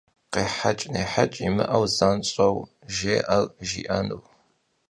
Khêheç' nêheç' yimı'eu zanş'eu jjê'er jji'enur.